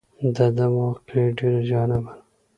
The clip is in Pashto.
دده واقعه ډېره جالبه ده.